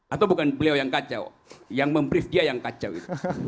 atau bukan beliau yang kacau yang memprift dia yang kacau gitu